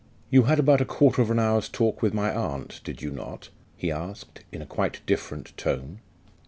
You had about a quarter of an hour's talk with my aunt, did you not?" he asked, in a quite different tone.